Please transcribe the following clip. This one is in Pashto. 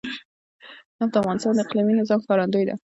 نفت د افغانستان د اقلیمي نظام ښکارندوی ده.